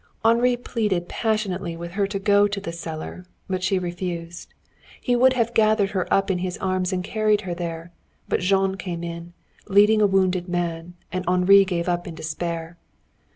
Henri pleaded passionately with her to go to the cellar, but she refused. He would have gathered her up in his arms and carried her there, but Jean came in, leading a wounded man, and Henri gave up in despair.